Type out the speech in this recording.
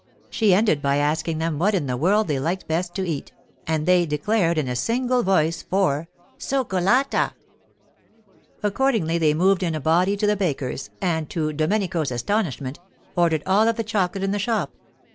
She ended by asking them what in the world they liked best to eat, and they declared in a single voice for 'Cioccolata.' Accordingly they moved in a body to the baker's, and, to Domenico's astonishment, ordered all of the chocolate in the shop.